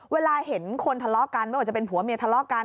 เวลาเห็นคนทะเลาะกันไม่ว่าจะเป็นผัวเมียทะเลาะกัน